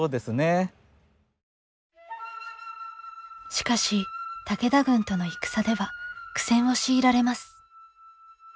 しかし武田軍との戦では苦戦を強いられます。